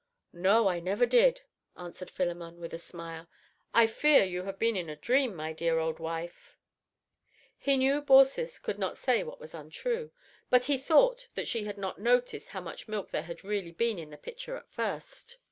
"No, I never did," answered Philemon, with a smile. "I fear you have been in a dream, my dear old wife." He knew Baucis could not say what was untrue, but he thought that she had not noticed how much milk there had really been in the pitcher at first.